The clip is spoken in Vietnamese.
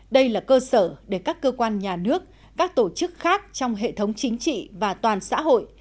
đây là cơ sở để các cơ quan nhà nước các tổ chức khác trong hệ thống chính trị và toàn xã hội